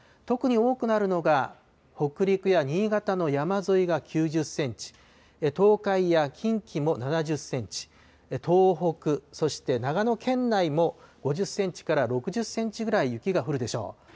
特に多くなるのが、北陸や新潟の山沿いが９０センチ、東海や近畿も７０センチ、東北、そして長野県内も５０センチから６０センチぐらい雪が降るでしょう。